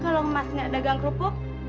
kalau mas nggak dagang kerupuk